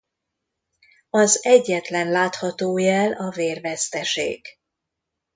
Az egyetlen látható jel a vérveszteség.